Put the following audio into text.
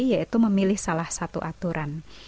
yaitu memilih salah satu aturan